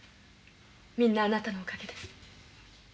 みんなあなたのおかげです。